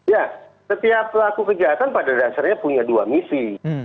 ya setiap pelaku kejahatan pada dasarnya punya dua misi